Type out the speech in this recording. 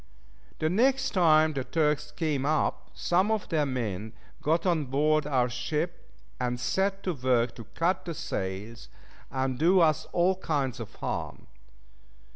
The next time the Turks came up, some of their men got on board our ship, and set to work to cut the sails, and do us all kinds of harm.